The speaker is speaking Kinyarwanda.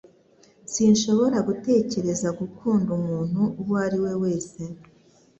Sinshobora gutekereza gukunda umuntu uwo ari we wese